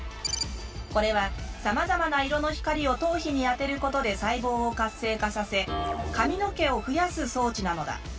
これはさまざまな色の光を頭皮に当てることで細胞を活性化させ髪の毛を増やす装置なのだ。